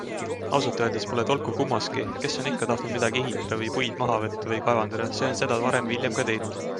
Ausalt öeldes pole tolku kummastki - kes on ikka tahtnud midagi ehitada või puid maha võtta või kaevandada, see on seda varem või hiljem ka teinud.